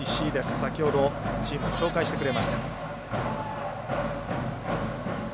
先ほど、チームを紹介してくれました。